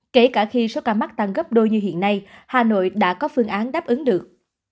kể cả khi số ca mắc tăng gấp đôi như hiện nay hà nội đã có phương án đáp ứng được